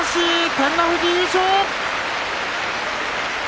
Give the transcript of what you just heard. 照ノ富士優勝。